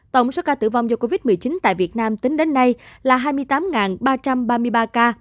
tổng số ca tử vong do covid một mươi chín tại việt nam tính đến nay là hai mươi tám ba trăm ba mươi ba ca